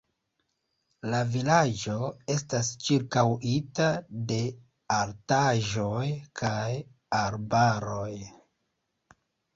La vilaĝo estas ĉirkaŭita de altaĵoj kaj arbaroj.